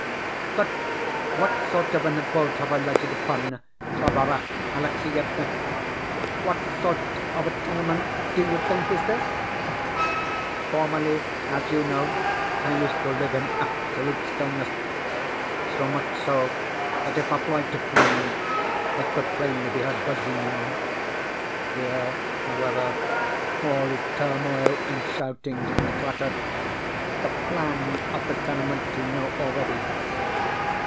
But what sort of an abode have I lighted upon, Barbara Alexievna? What sort of a tenement, do you think, is this? Formerly, as you know, I used to live in absolute stillness so much so that if a fly took wing it could plainly be heard buzzing. Here, however, all is turmoil and shouting and clatter. The PLAN of the tenement you know already.